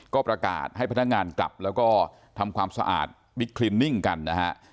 ก็ประกาศให้พนักงานกลับแล้วก็ทำความสะอาดบิ๊กคลินนิ่งกันนะฮะ